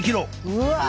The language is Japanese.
うわ。